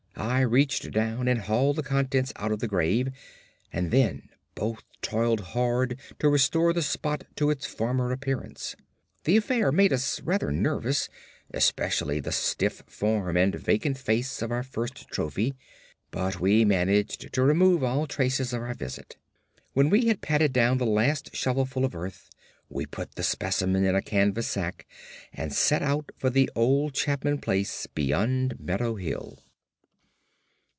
I reached down and hauled the contents out of the grave, and then both toiled hard to restore the spot to its former appearance. The affair made us rather nervous, especially the stiff form and vacant face of our first trophy, but we managed to remove all traces of our visit. When we had patted down the last shovelful of earth we put the specimen in a canvas sack and set out for the old Chapman place beyond Meadow Hill.